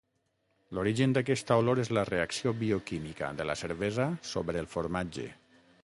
L'origen d'aquesta olor és la reacció bioquímica de la cervesa sobre el formatge.